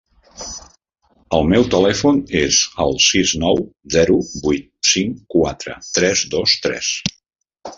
El meu telèfon és el sis nou zero vuit cinc quatre tres dos tres.